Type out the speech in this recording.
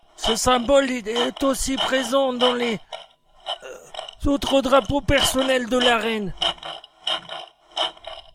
Ce symbole est aussi présent dans les autres drapeaux personnels de la reine.